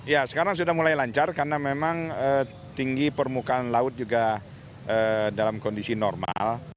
ya sekarang sudah mulai lancar karena memang tinggi permukaan laut juga dalam kondisi normal